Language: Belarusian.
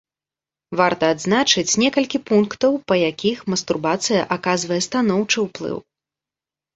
Варта адзначыць некалькі пунктаў, па якіх мастурбацыя аказвае станоўчы ўплыў.